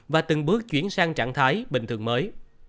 và từng bước chuyển sang trạng thái bình thường mới